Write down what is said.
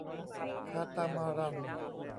คาตามารัน